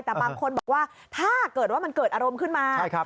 แต่บางคนบอกว่าถ้าเกิดว่ามันเกิดอารมณ์ขึ้นมา